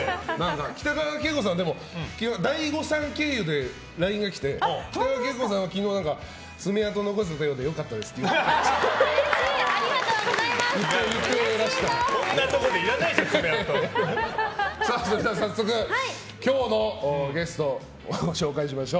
北川景子さんはＤＡＩＧＯさん経由でＬＩＮＥがきて北川景子さんは昨日爪痕を残せたようでこんなところで爪痕いらないでしょ。